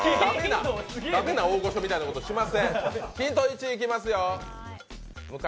駄目な大御所みたいなことしません。